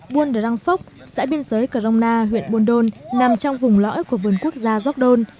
buôn răng phốc xã biên giới corona huyện buôn đôn nằm trong vùng lõi của vườn quốc gia gióc đôn